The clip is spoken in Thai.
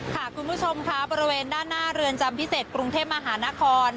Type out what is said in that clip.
คุณผู้ชมค่ะบริเวณด้านหน้าเรือนจำพิเศษกรุงเทพมหานคร